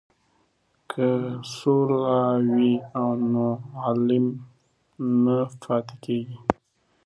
که سوله وي نو علم نه پاتې کیږي.